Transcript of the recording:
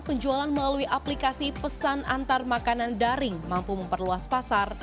penjualan melalui aplikasi pesan antar makanan daring mampu memperluas pasar